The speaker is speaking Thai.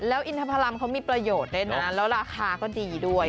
แล้วอินทพรรมเขามีประโยชน์ด้วยนะแล้วราคาก็ดีด้วย